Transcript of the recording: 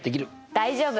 大丈夫！